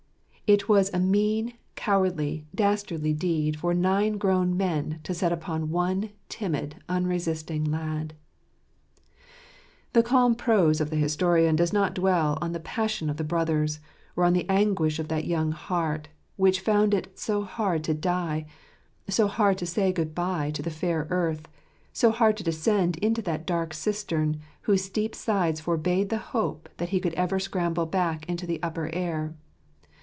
It was a mean, cowardly, dastardly deed for nine grown men to set upon one timid, unresisting lad. The calm prose of the historian does not dwell on the passion of the brothers, or on the anguish of that young heart, which found it so hard to die, so hard to say good bye to the fair earth, so hard to descend into that dark cistern, whose steep sides forbade the hope that he could ever scramble back into the upper air.